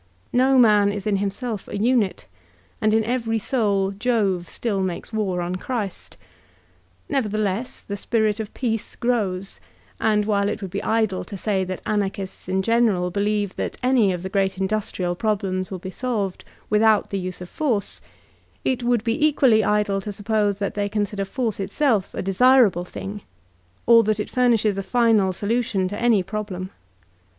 No man is in himself a unit, and in every soul Jove still makes war on Christ* Nevertheless, the spirit of peace grows ; and while it would be idle to say that Anarchists in general believe that any of the great industrial problems will be solved without the use of force, it would be equally idle to suppose that they consider force itself a desirable thing, or that it furnishes a final solution to any problem.